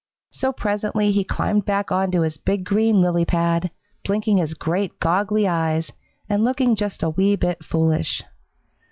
So presently he climbed back on to his big green lily pad, blinking his great, goggly eyes and looking just a wee bit foolish.